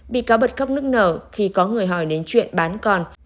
bị cáo bật khóc nức nở khi có người hỏi đến chuyện bán con